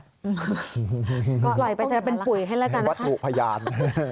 ต่อยไปถ้าเป็นปุ๋ยให้แล้วกันนะครับว่าถูกพยาน